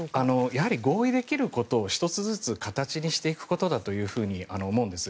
やはり合意できることを１つずつ形にしていくことだと思うんです。